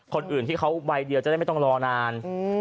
คนอื่นที่เขาใบเดียวจะได้ไม่ต้องรอนาน